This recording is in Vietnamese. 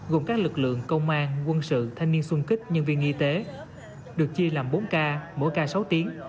gồm các lực lượng công an quân sự thanh niên sung kích nhân viên y tế được chia làm bốn ca mỗi ca sáu tiếng